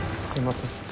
すいません。